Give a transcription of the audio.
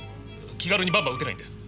気軽にバンバン撃てないんだよ。